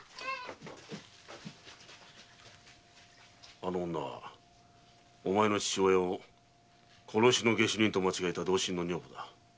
あの女はお前の父親を殺しの下手人と間違えた同心の女房だ。